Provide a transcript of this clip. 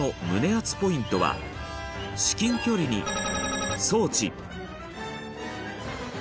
アツポイントは「至近距離に装置」